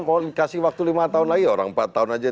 mau kasih waktu lima tahun lagi orang empat tahun aja